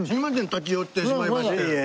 立ち寄ってしまいまして。